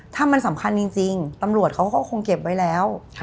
ถ้ามันสำคัญจริงตำรวจเขาก็คงเก็บไว้แล้ว